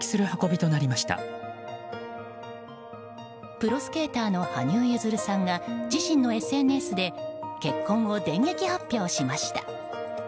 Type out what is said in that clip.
プロスケーターの羽生結弦さんが自身のＳＮＳで結婚を電撃発表しました。